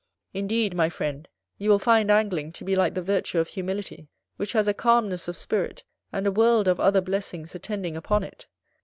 Indeed, my friend, you will find Angling to be like the virtue of humility, which has a calmness of spirit, and a world of other blessings attending upon it.